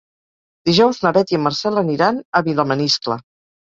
Dijous na Beth i en Marcel aniran a Vilamaniscle.